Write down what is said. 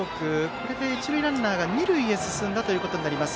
これで一塁ランナーが二塁へ進んだことになります。